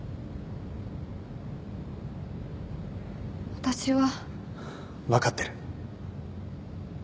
私は。分かってる。